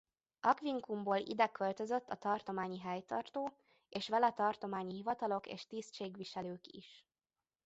Aquincumból ide költözött a tartományi helytartó és vele tartományi hivatalok és tisztségviselők is.